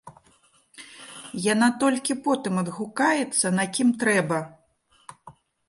Яна толькі потым адгукаецца на кім трэба.